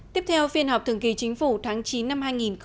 tiếp theo phiên họp thường kỳ chính phủ tháng chín năm hai nghìn một mươi sáu